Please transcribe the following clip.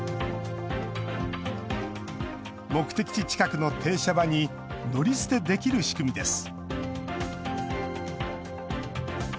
目的地近くの停車場に乗り捨てできる仕組みです。